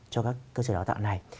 cho các cơ sở đào tạo này